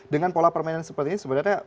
dengan pola permainan seperti ini sebenarnya